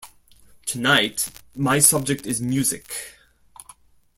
Tonight, my subject is music.